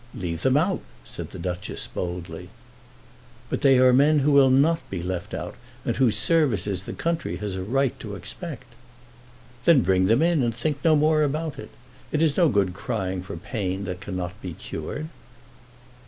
"Leave them out," said the Duchess boldly. "But they are men who will not be left out, and whose services the country has a right to expect." "Then bring them in, and think no more about it. It is no good crying for pain that cannot be cured."